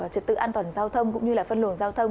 trật tự an toàn giao thông cũng như là phân luồng giao thông